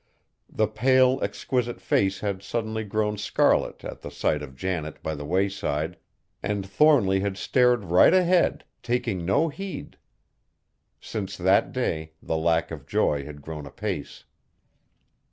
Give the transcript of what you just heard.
The pale, exquisite face had suddenly grown scarlet at the sight of Janet by the wayside, and Thornly had stared right ahead, taking no heed! Since that day the lack of joy had grown apace.